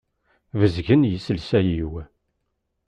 Bezgen yiselsa-iw.